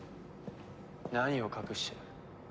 何を隠してる？